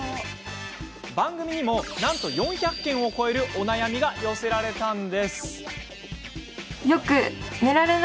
番組にもなんと４００件を超えるお悩みが寄せられたんです。